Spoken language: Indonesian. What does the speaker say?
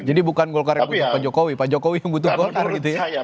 jadi bukan golkar yang membutuhkan pak jokowi pak jokowi yang membutuhkan golkar gitu ya